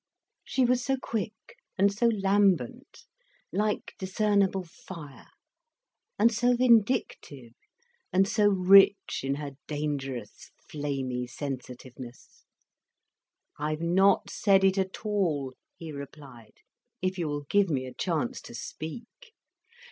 She was so quick, and so lambent, like discernible fire, and so vindictive, and so rich in her dangerous flamy sensitiveness. "I've not said it at all," he replied, "if you will give me a chance to speak."